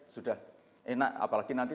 sudah enak apalagi nanti